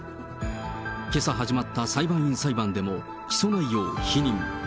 けさ始まった裁判員裁判でも起訴内容を否認。